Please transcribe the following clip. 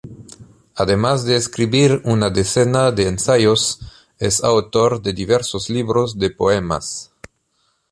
Además de escribir una decena de ensayos, es autor de diversos libros de poemas.